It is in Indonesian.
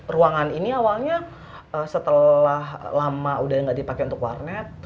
ruangan ini awalnya setelah lama udah nggak dipakai untuk warnet